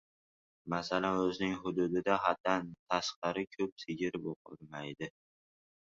Masalan, u o‘zining hududida haddan tashqari ko‘p sigir boqolmaydi